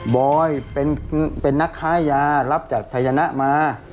บอยเป็นนักค้ายารับจากชายนะมา